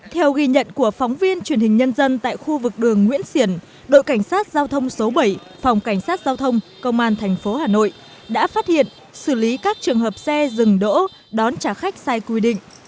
theo ghi nhận của phóng viên truyền hình nhân dân tại khu vực đường nguyễn xiển đội cảnh sát giao thông số bảy phòng cảnh sát giao thông công an thành phố hà nội đã phát hiện xử lý các trường hợp xe dừng đỗ đón trả khách sai quy định